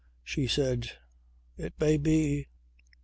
She said: "It may be.